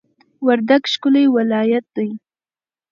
وردګ ښکلی ولایت دی